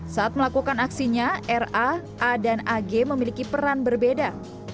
saat melakukan aksinya ra a dan ag memiliki peran berbeda